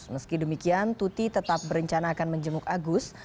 meski demikian tuti tetap berencana akan menjenguk agus